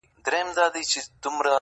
افغانستان وم سره لمبه دي کړمه-